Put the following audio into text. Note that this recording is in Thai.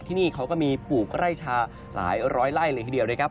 ที่นี่เขาก็มีปลูกไร่ชาหลายร้อยไล่เลยทีเดียวนะครับ